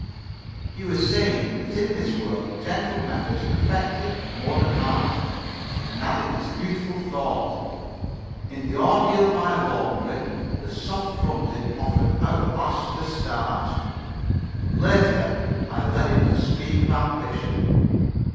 He was saying that in this world gentle methods have effected more than harsh, and added this beautiful thought: "In the ordeal by laundry the soft fronted often outlasts the starched." Later, I led him on to speak of ambition.